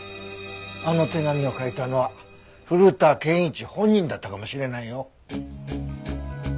あの手紙を書いたのは古田憲一本人だったかもしれないよ。